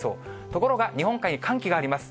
ところが日本海に寒気があります。